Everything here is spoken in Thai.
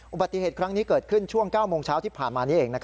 อุบัติเหตุครั้งนี้เกิดขึ้นช่วง๙โมงเช้าที่ผ่านมานี้เอง